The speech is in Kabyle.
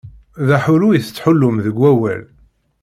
D aḥullu i tettḥullum deg wawal.